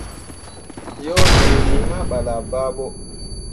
Yo liini, hã ɓala baaɓo.